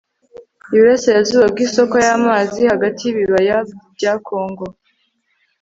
iburasirazuba bw'isoko, y'amazi hagati y'ibibaya bya kongo